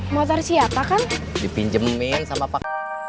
motor siapa kan dipinjemin sama pak